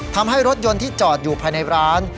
ทำให้รถยนต์ที่จอดอยู่ภายในร้าน